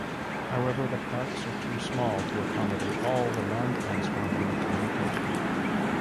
However, the parks are too small to accommodate all the non-transforming tanuki.